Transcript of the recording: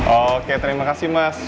oke terima kasih mas